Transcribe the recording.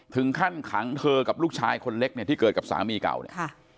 ถึงขั้นขังเธอกับลูกชายคนเล็กเนี่ยที่เกิดกับสามีเก่าเนี่ยค่ะ